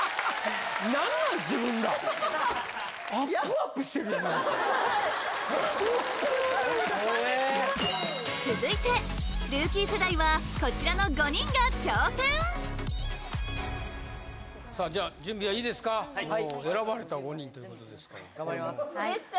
何なん自分ら続いてルーキー世代はこちらの５人が挑戦さあじゃあ準備はいいですかはい選ばれた５人ということですから頑張ります